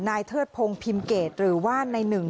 เทิดพงศ์พิมเกตหรือว่านายหนึ่ง